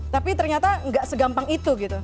tapi ternyata nggak segampang itu gitu